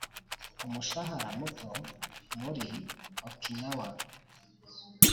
umushahara muto muri okinawa.